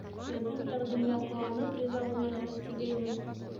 Беҙҙең тәҡдимгә ҡыуанып риза булырһығыҙ тигәйнем...